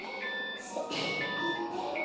すてきね！